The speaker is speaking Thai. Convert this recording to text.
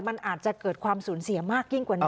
มันอาจจะเกิดความสูญเสียมากยิ่งกว่านี้